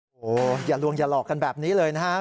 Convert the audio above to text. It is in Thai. โอ้โหอย่าลวงอย่าหลอกกันแบบนี้เลยนะครับ